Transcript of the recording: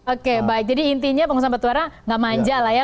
oke baik jadi intinya pak musamad tuara nggak manja lah ya